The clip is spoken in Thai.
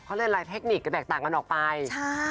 เค้าเล่นอะไรเทคนิคกันแตกต่างกันออกไปใช่